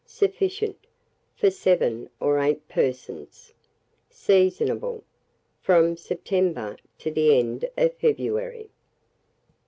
Sufficient for 7 or 8 persons. Seasonable from September to the end of February.